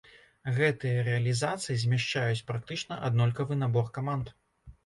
Гэтыя рэалізацыі змяшчаюць практычна аднолькавы набор каманд.